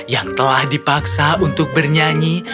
yang telah dipaksa untuk bernyanyi